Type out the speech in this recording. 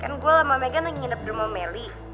kan gue sama megan lagi nginep di rumah meli